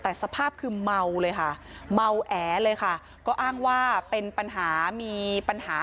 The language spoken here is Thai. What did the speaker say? แต่สภาพคือเมาเลยค่ะเมาแอเลยค่ะก็อ้างว่าเป็นปัญหามีปัญหา